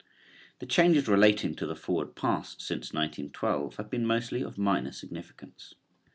The changes relating to the forward pass since 1912 have been mostly of minor significance.